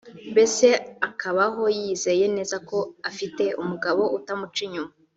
mbese akabaho yizeye neza ko afite umugabo utamuca inyuma